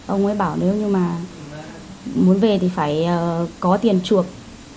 ông ấy bảo nếu như mà muốn về thì phải có tiền chuộc